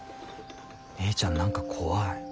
姉ちゃん何か怖い。